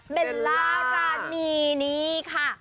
เบลล่ารานีนี่ค่ะ